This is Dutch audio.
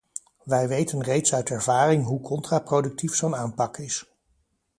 Wij weten reeds uit ervaring hoe contraproductief zo’n aanpak is.